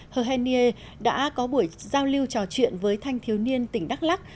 hờ hen nghê đã có buổi giao lưu trò chuyện với thanh thiếu niên tỉnh đắk lắc